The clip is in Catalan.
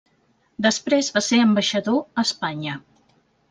Després va ser ambaixador a Espanya.